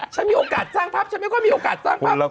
ฉันมีโอกาสสร้างภาพฉันไม่ค่อยมีโอกาสสร้างภาพ